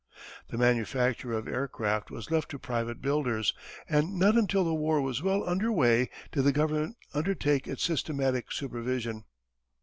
The manufacture of aircraft was left to private builders, and not until the war was well under way did the government undertake its systematic supervision.